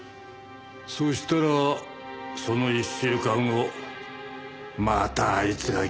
そしたらその１週間後またあいつが来やがって。